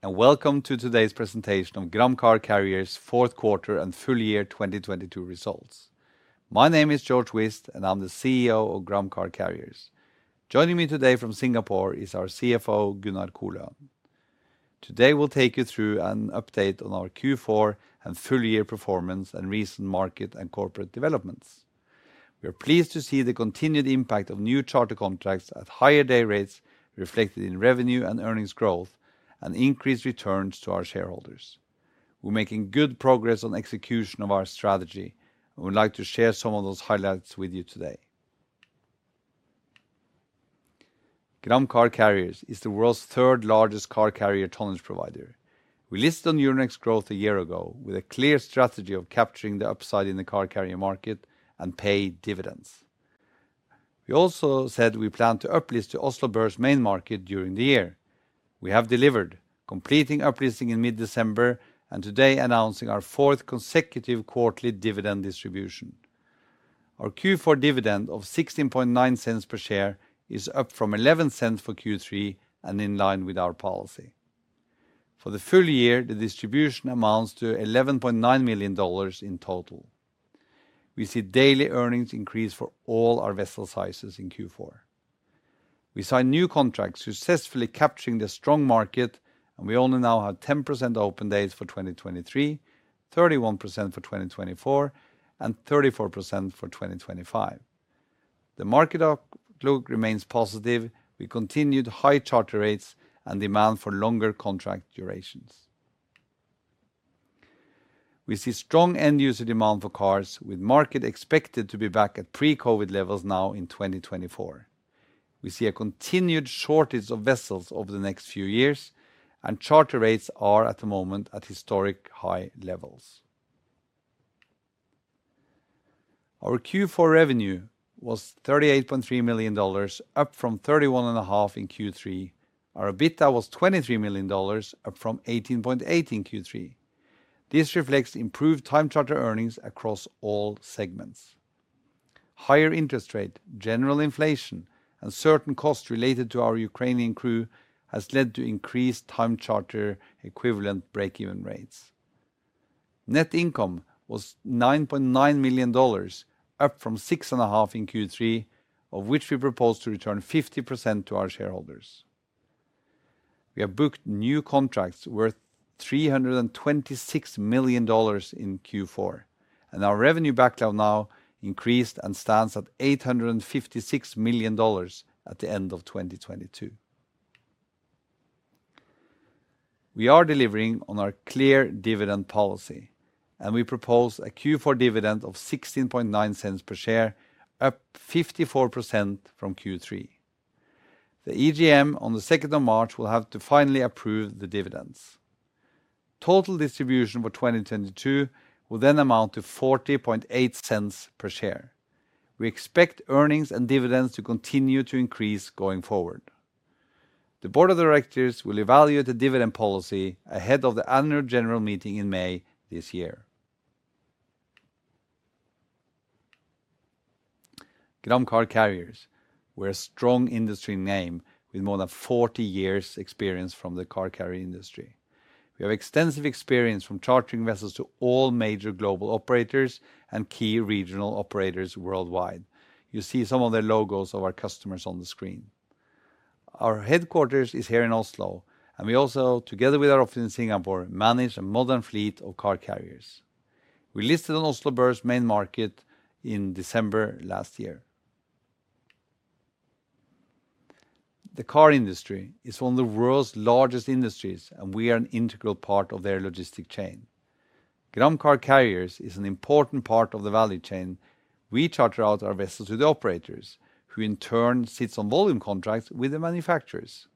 Welcome to today's presentation of Gram Car Carriers fourth quarter and full year 2022 results. My name is Georg Whist, and I'm the CEO of Gram Car Carriers. Joining me today from Singapore is our CFO, Gunnar Koløen. Today, we'll take you through an update on our Q4 and full year performance and recent market and corporate developments. We are pleased to see the continued impact of new charter contracts at higher day rates reflected in revenue and earnings growth and increased returns to our shareholders. We're making good progress on execution of our strategy, and we'd like to share some of those highlights with you today. Gram Car Carriers is the world's third-largest car carrier tonnage provider. We listed on Euronext Growth a year ago with a clear strategy of capturing the upside in the car carrier market and pay dividends. We also said we plan to uplist to Oslo Børs main market during the year. We have delivered, completing uplisting in mid-December and today announcing our fourth consecutive quarterly dividend distribution. Our Q4 dividend of $0.169 per share is up from $0.11 for Q3 and in line with our policy. For the full year, the distribution amounts to $11.9 million in total. We see daily earnings increase for all our vessel sizes in Q4. We sign new contracts successfully capturing the strong market. We only now have 10% open days for 2023, 31% for 2024, and 34% for 2025. The market outlook remains positive with continued high charter rates and demand for longer contract durations. We see strong end user demand for cars with market expected to be back at pre-COVID levels now in 2024. We see a continued shortage of vessels over the next few years. Charter rates are at the moment at historic high levels. Our Q4 revenue was $38.3 million, up from $31.5 million In Q3. Our EBITDA was $23 million, up from $18.8 million in Q3. This reflects improved time charter earnings across all segments. Higher interest rate, general inflation, and certain costs related to our Ukrainian crew has led to increased time charter equivalent break-even rates. Net income was $9.9 million, up from $6.5 million In Q3, of which we propose to return 50% to our shareholders. We have booked new contracts worth $326 million in Q4. Our revenue backlog now increased and stands at $856 million at the end of 2022. We are delivering on our clear dividend policy. We propose a Q4 dividend of $0.169 per share, up 54% from Q3. The EGM on the 2nd of March will have to finally approve the dividends. Total distribution for 2022 will amount to $0.408 per share. We expect earnings and dividends to continue to increase going forward. The board of directors will evaluate the dividend policy ahead of the annual general meeting in May this year. Gram Car Carriers, we're a strong industry name with more than 40 years' experience from the car carrier industry. We have extensive experience from chartering vessels to all major global operators and key regional operators worldwide. You see some of the logos of our customers on the screen. Our headquarters is here in Oslo, and we also, together with our office in Singapore, manage a modern fleet of car carriers. We listed on Oslo Børs main market in December last year. The car industry is one of the world's largest industries, and we are an integral part of their logistic chain. Gram Car Carriers is an important part of the value chain. We charter out our vessels to the operators who in turn sits on volume contracts with the manufacturers.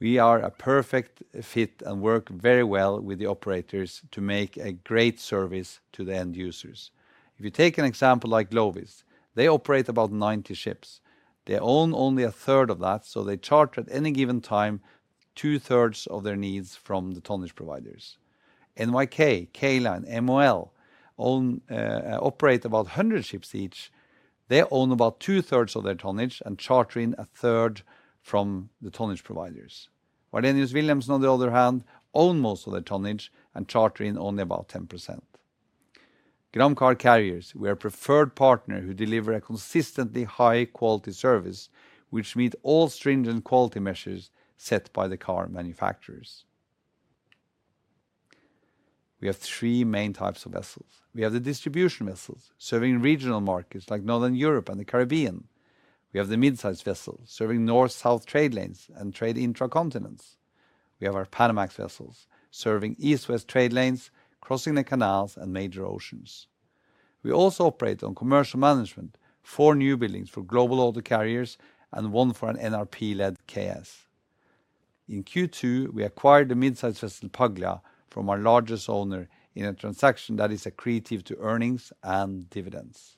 We are a perfect fit and work very well with the operators to make a great service to the end users. If you take an example like Glovis, they operate about 90 ships. They own only a third of that, so they charter at any given time two-thirds of their needs from the tonnage providers. NYK, K Line, MOL own, operate about 100 ships each. They own about two-thirds of their tonnage and charter in a third from the tonnage providers. Wallenius Wilhelmsen on the other hand, own most of their tonnage and charter in only about 10%. Gram Car Carriers, we are a preferred partner who deliver a consistently high quality service which meet all stringent quality measures set by the car manufacturers. We have three main types of vessels. We have the distribution vessels serving regional markets like Northern Europe and the Caribbean. We have the midsize vessels serving north-south trade lanes and trade intra continents. We have our Panamax vessels serving east-west trade lanes, crossing the canals and major oceans. We also operate on commercial management, four newbuildings for Global Auto Carriers and one for an NRP-led KS. In Q2, we acquired the midsize vessel Paglia from our largest owner in a transaction that is accretive to earnings and dividends.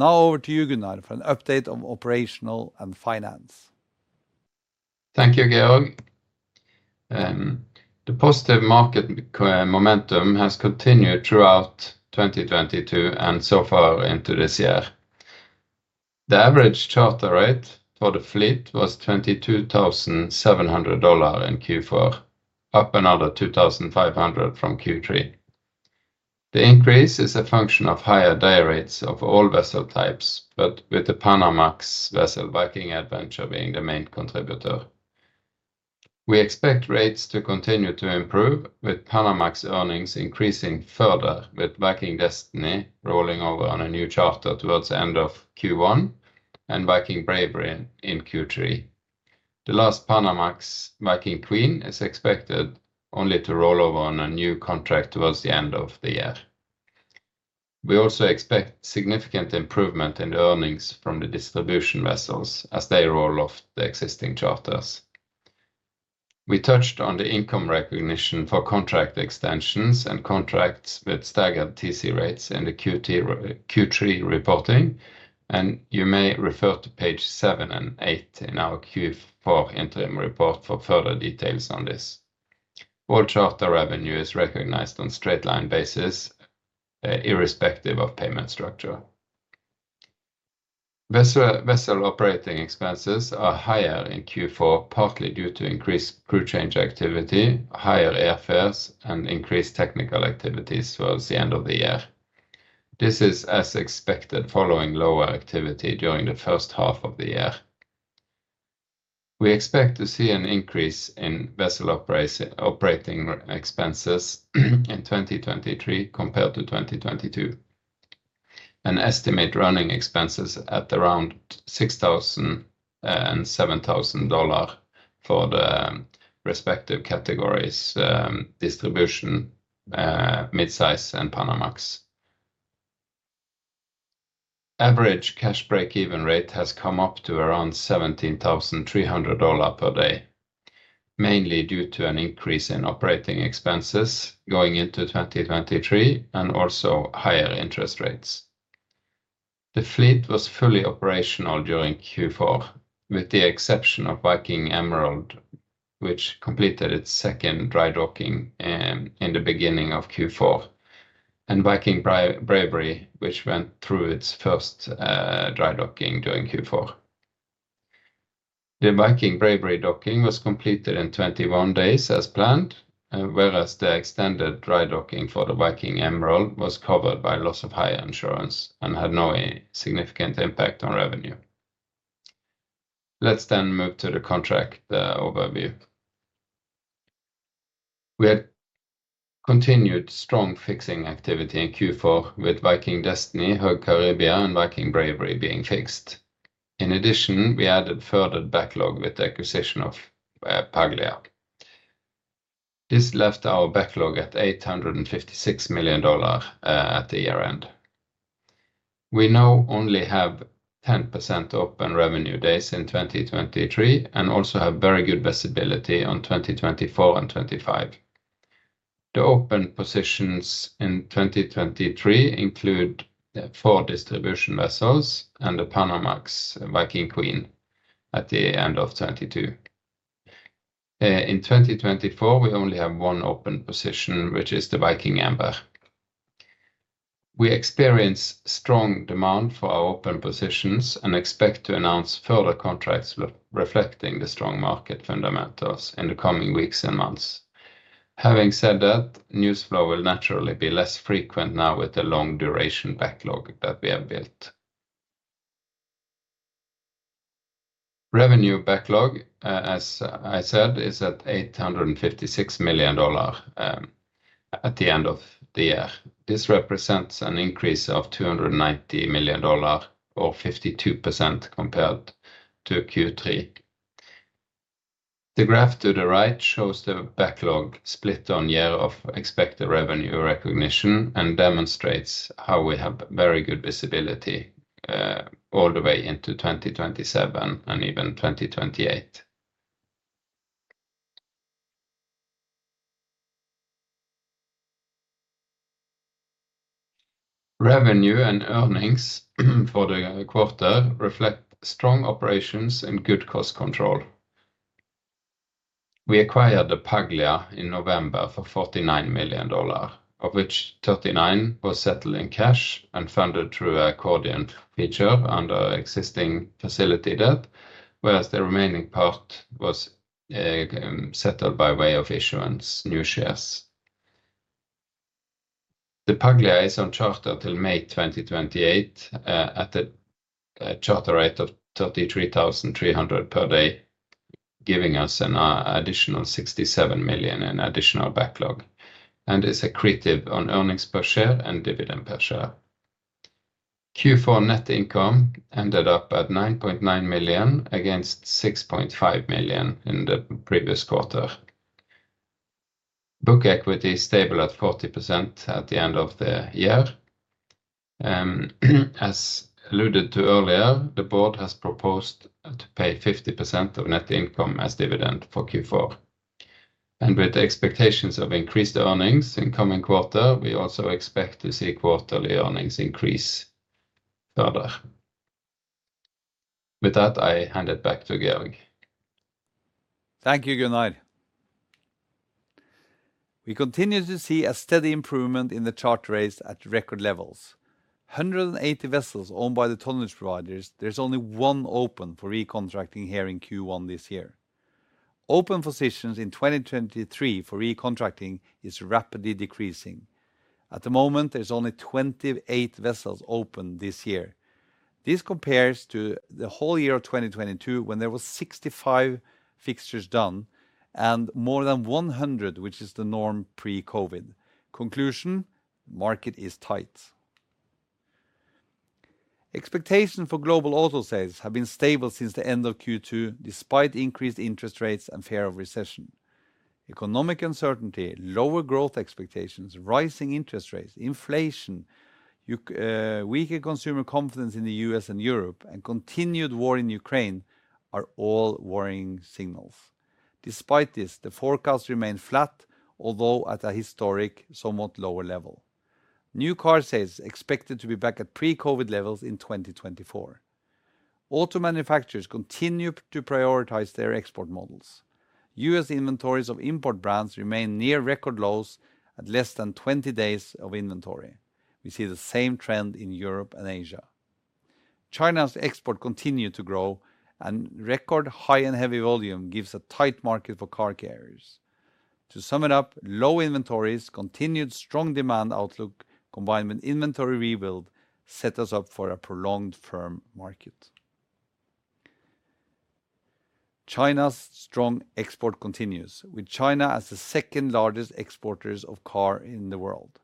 Over to you, Gunnar, for an update on operational and finance. Thank you, Georg. The positive market momentum has continued throughout 2022 and so far into this year. The average charter rate for the fleet was $22,700 in Q4, up another $2,500 from Q3. The increase is a function of higher day rates of all vessel types, with the Panamax vessel Viking Adventure being the main contributor. We expect rates to continue to improve, with Panamax earnings increasing further, with Viking Destiny rolling over on a new charter towards the end of Q1 and Viking Bravery in Q3. The last Panamax, Viking Queen, is expected only to roll over on a new contract towards the end of the year. We also expect significant improvement in the earnings from the distribution vessels as they roll off the existing charters. We touched on the income recognition for contract extensions and contracts with staggered TC rates in the QT, Q3 reporting, and you may refer to page seven and eight in our Q4 interim report for further details on this. All charter revenue is recognized on straight-line basis, irrespective of payment structure. Vessel operating expenses are higher in Q4, partly due to increased crew change activity, higher airfares, and increased technical activities towards the end of the year. This is as expected following lower activity during the first half of the year. We expect to see an increase in vessel operating expenses in 2023 compared to 2022, and estimate running expenses at around $6,000 and $7,000 for the respective categories, distribution, midsize and Panamax. Average cash break-even rate has come up to around $17,300 per day, mainly due to an increase in operating expenses going into 2023 and also higher interest rates. The fleet was fully operational during Q4, with the exception of Viking Emerald, which completed its second dry docking in the beginning of Q4, and Viking Bravery, which went through its first dry docking during Q4. The Viking Bravery docking was completed in 21 days as planned, whereas the extended dry docking for the Viking Emerald was covered by loss of hire insurance and had no significant impact on revenue. Let's then move to the contract overview. We had continued strong fixing activity in Q4 with Viking Destiny, Höegh Caribia and Viking Bravery being fixed. In addition, we added further backlog with the acquisition of Paglia. This left our backlog at $856 million at the year-end. We now only have 10% open revenue days in 2023 and also have very good visibility on 2024 and 2025. The open positions in 2023 include four distribution vessels and the Panamax Viking Queen at the end of 2022. In 2024, we only have one open position, which is the Viking Amber. We experience strong demand for our open positions and expect to announce further contracts re-reflecting the strong market fundamentals in the coming weeks and months. Having said that, news flow will naturally be less frequent now with the long duration backlog that we have built. Revenue backlog, as I said, is at $856 million at the end of the year. This represents an increase of $290 million or 52% compared to Q3. The graph to the right shows the backlog split on year of expected revenue recognition and demonstrates how we have very good visibility all the way into 2027 and even 2028. Revenue and earnings for the quarter reflect strong operations and good cost control. We acquired the Paglia in November for $49 million, of which $39 million was settled in cash and funded through an accordion feature under existing facility debt, whereas the remaining part was settled by way of issuance new shares. The Paglia is on charter till May 2028 at a charter rate of $33,300 per day, giving us an additional $67 million in additional backlog, and is accretive on earnings per share and dividend per share. Q4 net income ended up at $9.9 million against $6.5 million in the previous quarter. Book equity stable at 40% at the end of the year. As alluded to earlier, the board has proposed to pay 50% of net income as dividend for Q4. With the expectations of increased earnings in coming quarter, we also expect to see quarterly earnings increase further. With that, I hand it back to Georg. Thank you, Gunnar. We continue to see a steady improvement in the charter rates at record levels. 180 vessels owned by the tonnage providers, there's only one open for recontracting here in Q1 this year. Open positions in 2023 for recontracting is rapidly decreasing. At the moment, there's only 28 vessels open this year. This compares to the whole year of 2022 when there was 65 fixtures done and more than 100, which is the norm pre-COVID. Conclusion: market is tight. Expectation for global auto sales have been stable since the end of Q2, despite increased interest rates and fear of recession. Economic uncertainty, lower growth expectations, rising interest rates, inflation, weaker consumer confidence in the U.S. and Europe, and continued war in Ukraine are all worrying signals. Despite this, the forecasts remain flat, although at a historic, somewhat lower level. New car sales expected to be back at pre-COVID levels in 2024. Auto manufacturers continue to prioritize their export models. U.S. inventories of import brands remain near record lows at less than 20 days of inventory. We see the same trend in Europe and Asia. China's export continue to grow, and record high and heavy volume gives a tight market for car carriers. To sum it up, low inventories, continued strong demand outlook, combined with inventory rebuild, set us up for a prolonged firm market. China's strong export continues, with China as the second largest exporters of car in the world.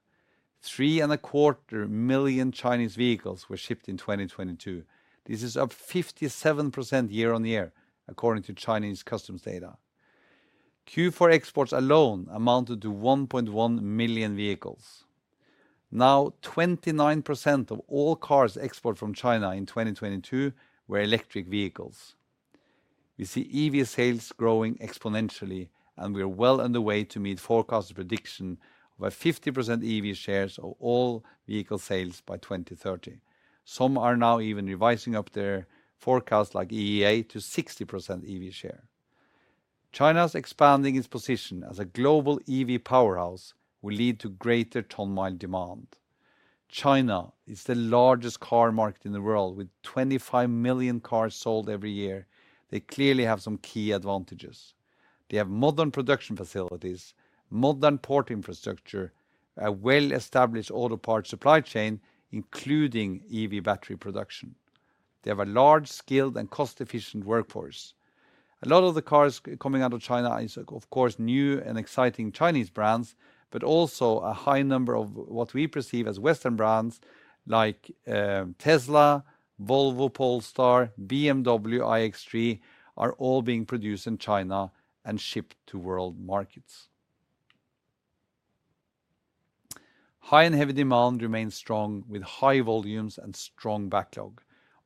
Three and a quarter million Chinese vehicles were shipped in 2022. This is up 57% year-over-year, according to Chinese customs data. Q4 exports alone amounted to 1.1 million vehicles. 29% of all cars exported from China in 2022 were electric vehicles. We see EV sales growing exponentially, we are well on the way to meet forecasted prediction of a 50% EV shares of all vehicle sales by 2030. Some are now even revising up their forecasts like EEA to 60% EV share. China's expanding its position as a global EV powerhouse will lead to greater ton-mile demand. China is the largest car market in the world with 25 million cars sold every year. They clearly have some key advantages. They have modern production facilities, modern port infrastructure, a well-established auto parts supply chain, including EV battery production. They have a large, skilled, and cost-efficient workforce. A lot of the cars coming out of China is, of course, new and exciting Chinese brands, but also a high number of what we perceive as Western brands like Tesla, Volvo, Polestar, BMW, iX3, are all being produced in China and shipped to world markets. High and heavy demand remains strong with high volumes and strong backlog.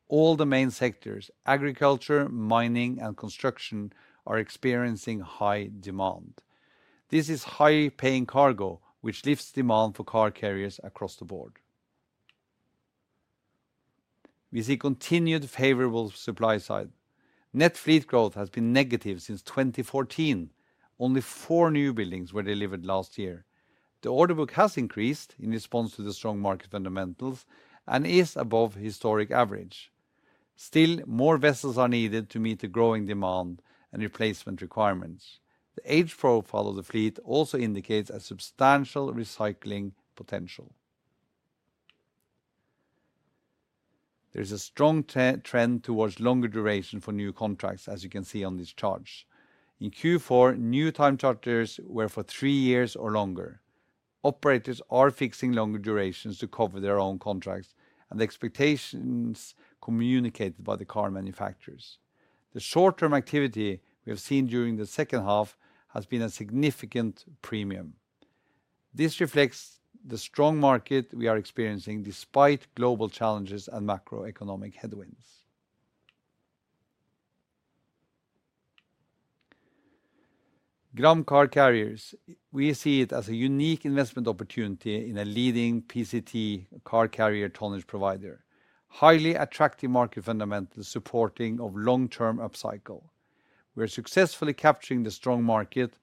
All the main sectors, agriculture, mining, and construction, are experiencing high demand. This is high paying cargo, which lifts demand for car carriers across the board. We see continued favorable supply side. Net fleet growth has been negative since 2014. Only four newbuildings were delivered last year. The order book has increased in response to the strong market fundamentals and is above historic average. More vessels are needed to meet the growing demand and replacement requirements. The age profile of the fleet also indicates a substantial recycling potential. There is a strong trend towards longer duration for new contracts, as you can see on this charts. In Q4, new time charters were for three years or longer. Operators are fixing longer durations to cover their own contracts and the expectations communicated by the car manufacturers. The short-term activity we have seen during the second half has been a significant premium. This reflects the strong market we are experiencing despite global challenges and macroeconomic headwinds. Gram Car Carriers, we see it as a unique investment opportunity in a leading PCTC car carrier tonnage provider. Highly attractive market fundamentals supporting of long-term upcycle. We are successfully capturing the strong market.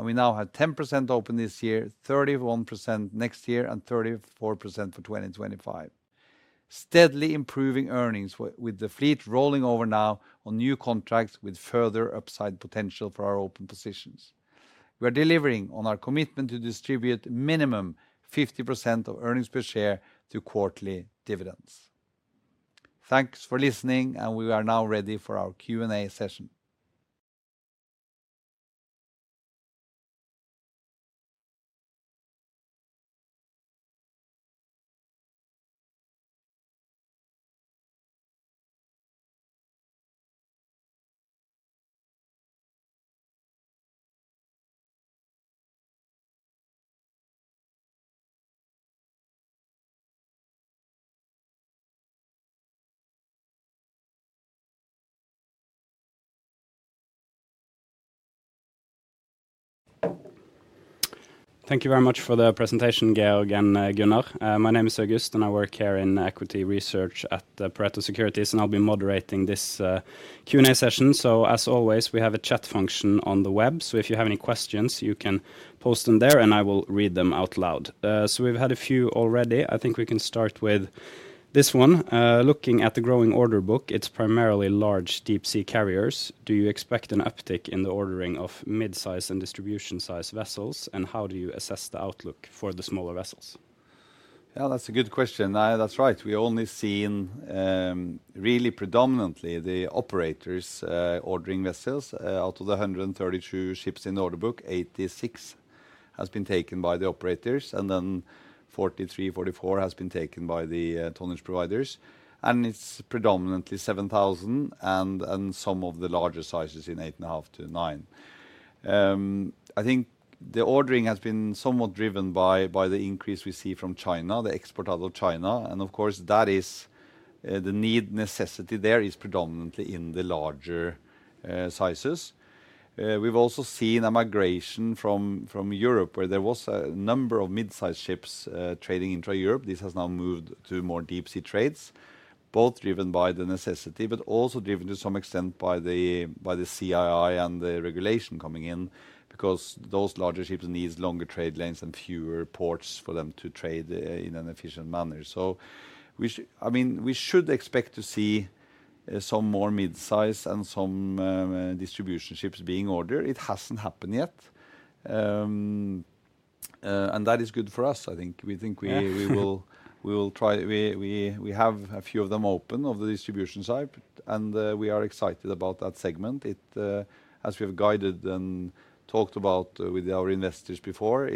We now have 10% open this year, 31% next year, and 34% for 2025. Steadily improving earnings with the fleet rolling over now on new contracts with further upside potential for our open positions. We are delivering on our commitment to distribute minimum 50% of earnings per share to quarterly dividends. Thanks for listening. We are now ready for our Q&A session. Thank you very much for the presentation, Georg and Gunnar. My name is August, and I work here in Equity Research at Pareto Securities, and I'll be moderating this Q&A session. As always, we have a chat function on the web, so if you have any questions, you can post them there, and I will read them out loud. We've had a few already. I think we can start with this one. Looking at the growing order book, it's primarily large deep-sea carriers. Do you expect an uptick in the ordering of mid-size and distribution-size vessels? How do you assess the outlook for the smaller vessels? Yeah, that's a good question. That's right. We only seen really predominantly the operators ordering vessels. Out of the 132 ships in the order book, 86 has been taken by the operators, then 43, 44 has been taken by the tonnage providers. It's predominantly 7,000 and some of the larger sizes in 8.5 to nine. I think the ordering has been somewhat driven by the increase we see from China, the export out of China. Of course, that is the necessity there is predominantly in the larger sizes. We've also seen a migration from Europe where there was a number of mid-size ships trading intra-Europe. This has now moved to more deep-sea trades, both driven by the necessity, but also driven to some extent by the, by the CII and the regulation coming in because those larger ships needs longer trade lanes and fewer ports for them to trade in an efficient manner. I mean, we should expect to see some more mid-size and some distribution ships being ordered. It hasn't happened yet. That is good for us, I think. Yeah. We will try, we have a few of them open of the distribution type, and we are excited about that segment. It, as we have guided and talked about with our investors before,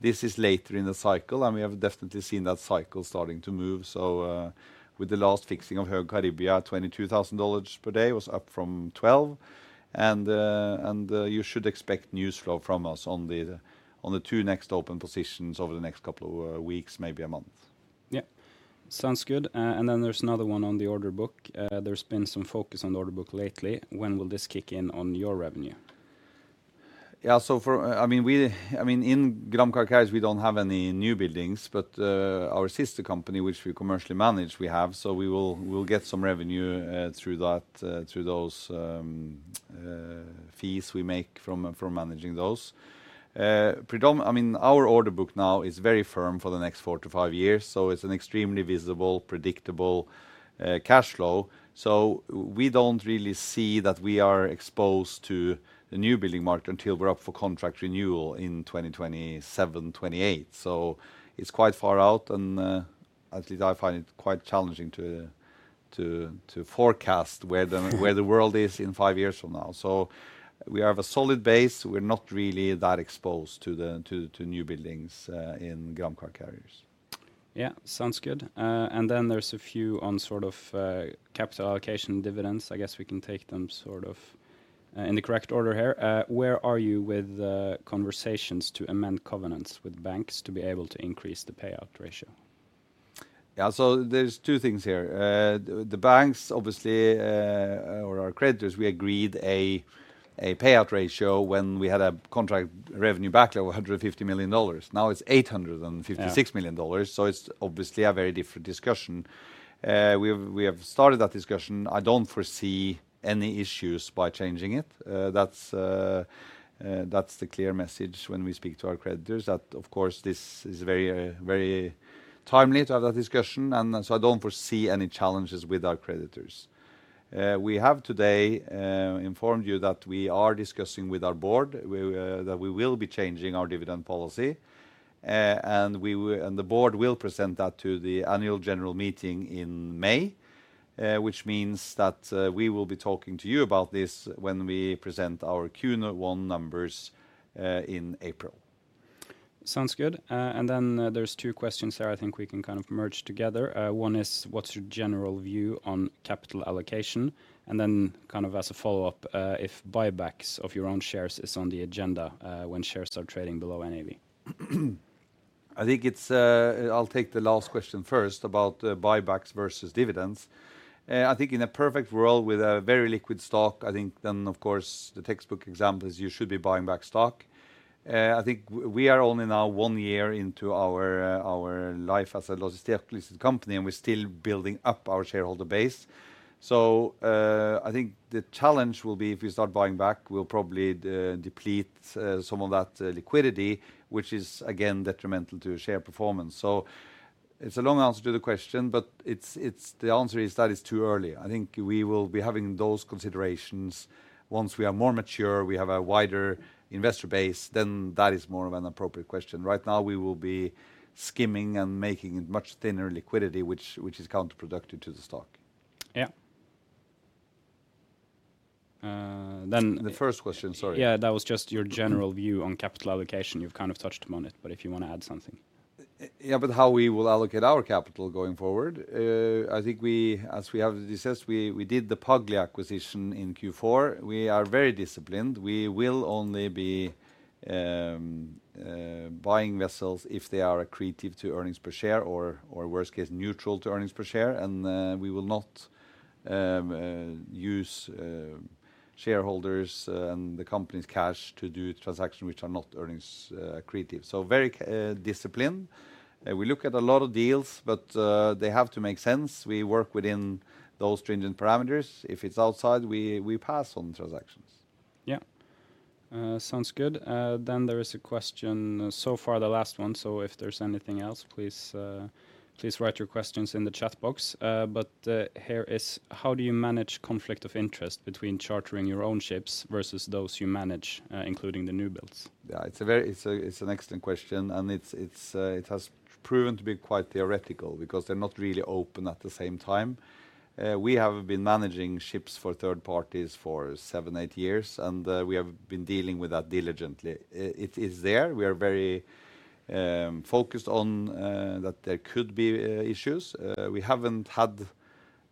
this is later in the cycle, and we have definitely seen that cycle starting to move. With the last fixing of Höegh Caribia, at $22,000 per day was up from $12,000. You should expect news flow from us on the, on the two next open positions over the next couple of weeks, maybe a month. Yeah. Sounds good. Then there's another one on the order book. There's been some focus on the order book lately. When will this kick in on your revenue? I mean, in Gram Car Carriers we don't have any newbuildings, our sister company which we commercially manage, we have. We will get some revenue through that through those fees we make from managing those. I mean, our order book now is very firm for the next four to five years, it's an extremely visible, predictable cash flow. We don't really see that we are exposed to the new building market until we're up for contract renewal in 2027, 2028. It's quite far out at least I find it quite challenging to forecast where the world is in five years from now. We have a solid base. We're not really that exposed to the new buildings in Gram Car Carriers. Yeah. Sounds good. Then there's a few on sort of capital allocation dividends. I guess we can take them sort of in the correct order here. Where are you with conversations to amend covenants with banks to be able to increase the payout ratio? Yeah. There's two things here. The banks obviously, or our creditors, we agreed a payout ratio when we had a contract revenue backlog of $150 million. Now it's $856 million, so it's obviously a very different discussion. We have started that discussion. I don't foresee any issues by changing it. That's the clear message when we speak to our creditors that, of course, this is very, very timely to have that discussion. I don't foresee any challenges with our creditors. We have today informed you that we are discussing with our board that we will be changing our dividend policy. And the board will present that to the annual general meeting in May, which means that we will be talking to you about this when we present our Q1 numbers in April. Sounds good. There's two questions there I think we can kind of merge together. One is, what's your general view on capital allocation? Kind of as a follow-up, if buybacks of your own shares is on the agenda, when shares are trading below NAV. I think it's, I'll take the last question first about buybacks versus dividends. I think in a perfect world with a very liquid stock, I think then, of course, the textbook example is you should be buying back stock. I think we are only now one year into our life as a public listed company, and we're still building up our shareholder base. I think the challenge will be if we start buying back, we'll probably deplete some of that liquidity, which is, again, detrimental to share performance. It's a long answer to the question, but the answer is that it's too early. I think we will be having those considerations once we are more mature, we have a wider investor base, then that is more of an appropriate question. Right now we will be skimming and making it much thinner liquidity which is counterproductive to the stock. Yeah. The first question, sorry. Yeah. That was just your general view on capital allocation. You've kind of touched upon it, but if you wanna add something. How we will allocate our capital going forward, I think we, as we have discussed, we did the Paglia acquisition in Q4. We are very disciplined. We will only be buying vessels if they are accretive to earnings per share or worst case, neutral to earnings per share. We will not use shareholders and the company's cash to do transaction which are not earnings accretive. Very disciplined. We look at a lot of deals, they have to make sense. We work within those stringent parameters. If it's outside, we pass on transactions. Yeah. Sounds good. There is a question, so far the last one, so if there's anything else, please write your questions in the chat box. Here is, how do you manage conflict of interest between chartering your own ships versus those you manage, including the newbuilds? It's an excellent question it has proven to be quite theoretical because they're not really open at the same time. We have been managing ships for third parties for seven, eight years, we have been dealing with that diligently. It is there. We are very focused on that there could be issues. We haven't had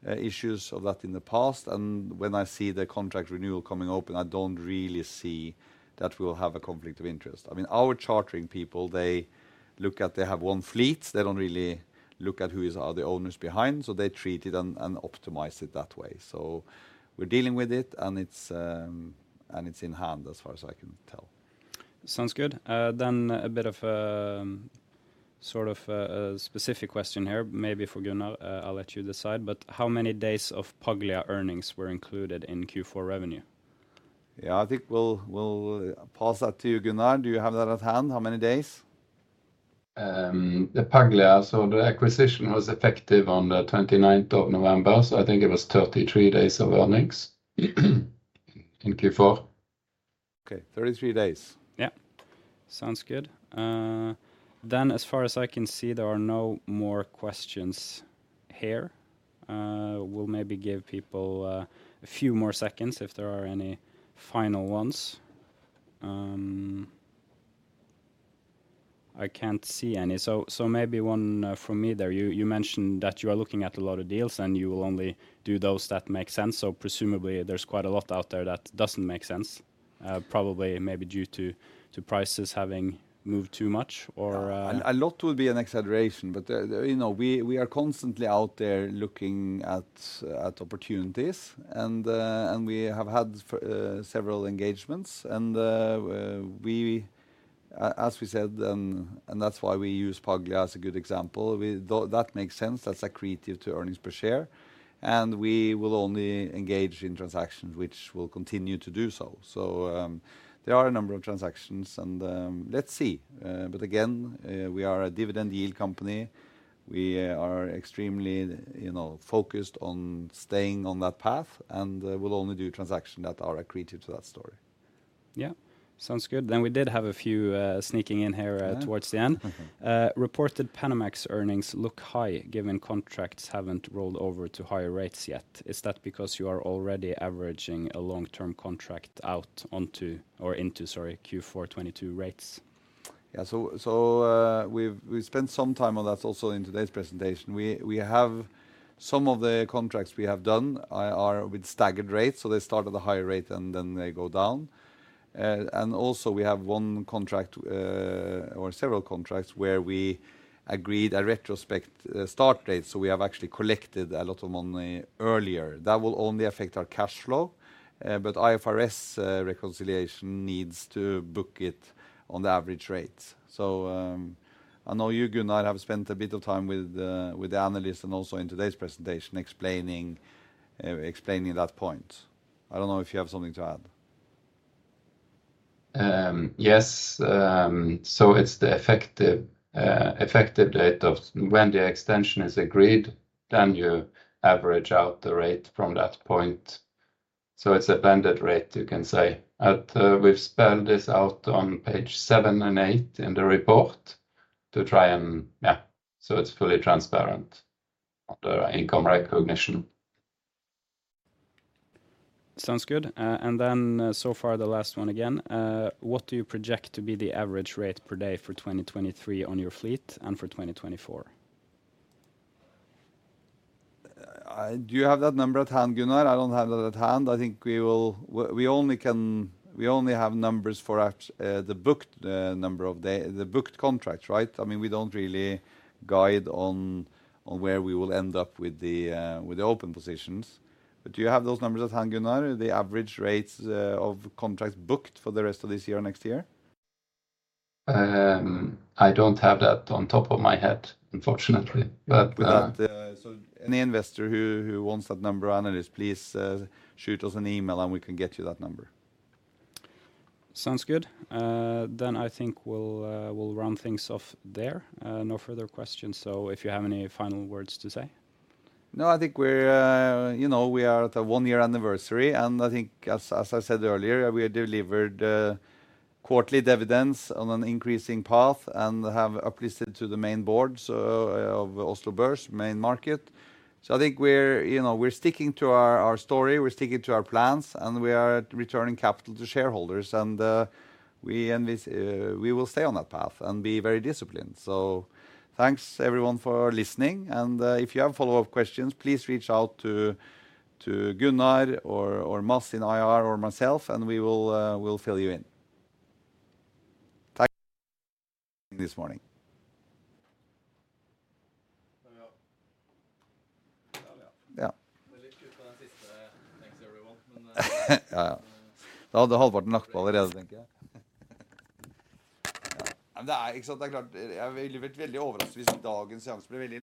issues of that in the past. When I see the contract renewal coming open, I don't really see that we'll have a conflict of interest. I mean, our chartering people, they look at they have one fleet. They don't really look at who are the owners behind, they treat it and optimize it that way. We're dealing with it, and it's in hand as far as I can tell. Sounds good. A bit of, sort of, a specific question here, maybe for Gunnar. I'll let you decide. How many days of Paglia earnings were included in Q4 revenue? Yeah. I think we'll pass that to you, Gunnar. Do you have that at hand, how many days? The Paglia. The acquisition was effective on the 29th of November, so I think it was 33 days of earnings in Q4. Okay, 33 days. Yeah. Sounds good. As far as I can see, there are no more questions here. We'll maybe give people a few more seconds if there are any final ones. I can't see any. Maybe one from me there. You, you mentioned that you are looking at a lot of deals and you will only do those that make sense, presumably there's quite a lot out there that doesn't make sense. Probably maybe due to prices having moved too much or. A lot will be an exaggeration. You know, we are constantly out there looking at opportunities and we have had several engagements, as we said, and that's why we use Paglia as a good example. That makes sense, that's accretive to earnings per share. We will only engage in transactions which will continue to do so. There are a number of transactions and, let's see. Again, we are a dividend yield company. We are extremely, you know, focused on staying on that path, and we'll only do transaction that are accretive to that story. Yeah. Sounds good. We did have a few sneaking in here towards the end. Reported Panamax earnings look high given contracts haven't rolled over to higher rates yet. Is that because you are already averaging a long-term contract out onto or into, sorry, Q4 2022 rates? Yeah. We've spent some time on that also in today's presentation. We have some of the contracts we have done are with staggered rates, so they start at a higher rate and then they go down. Also we have one contract or several contracts where we agreed a retrospect start date, so we have actually collected a lot of money earlier. That will only affect our cash flow, but IFRS reconciliation needs to book it on the average rate. I know you, Gunnar, have spent a bit of time with the analyst and also in today's presentation explaining that point. I don't know if you have something to add. Yes. It's the effective date of when the extension is agreed, then you average out the rate from that point. It's a blended rate you can say. We've spelled this out on page seven and eight in the report to try and, yeah, so it's fully transparent on the income recognition. Sounds good. So far the last one again, what do you project to be the average rate per day for 2023 on your fleet and for 2024? Do you have that number at hand, Gunnar? I don't have that at hand. We only have numbers for at the booked contracts, right? I mean, we don't really guide on where we will end up with the open positions. Do you have those numbers at hand, Gunnar? The average rates of contracts booked for the rest of this year or next year? I don't have that on top of my head, unfortunately. Without any investor who wants that number, analyst, please shoot us an email and we can get you that number. Sounds good. I think we'll round things off there. No further questions. If you have any final words to say. No, I think we're, you know, we are at the one-year anniversary, and I think as I said earlier, we delivered quarterly dividends on an increasing path and have uplisted to the main boards of Oslo Børs main market. I think we're, you know, we're sticking to our story, we're sticking to our plans, and we are returning capital to shareholders. We will stay on that path and be very disciplined. Thanks everyone for listening. If you have follow-up questions, please reach out to Gunnar or Mads in IR or myself and we will fill you in. Thank you this morning. Thanks everyone.